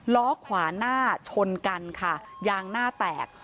ล้อขวาหน้าชนกันค่ะยางหน้าแตก